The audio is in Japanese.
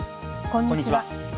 こんにちは。